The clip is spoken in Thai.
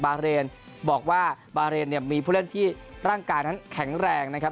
บาเรนบอกว่าบาเรนเนี่ยมีผู้เล่นที่ร่างกายนั้นแข็งแรงนะครับ